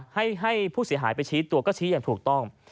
ให้ผู้เสียหายไปชี้ตัวก็ชี้อย่างถูกต้อง